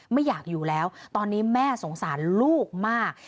ไม่อยากอยู่แล้วตอนนี้แม่สงสารลูกมาก